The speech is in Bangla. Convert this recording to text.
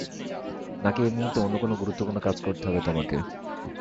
নাকি এই মুহুর্তে অন্যকোন গুরুত্বপূর্ণ কাজ করতে হবে তোমাকে?